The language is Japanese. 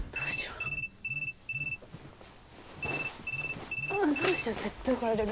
うわっどうしよう絶対怒られる。